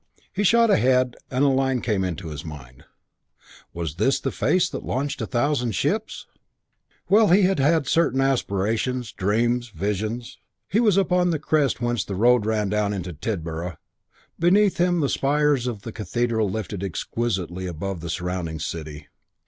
He shot ahead and a line came into his mind: "Was this the face that launched a thousand ships?" Well, he had had certain aspirations, dreams, visions.... He was upon the crest whence the road ran down into Tidborough. Beneath him the spires of the Cathedral lifted exquisitely above the surrounding city.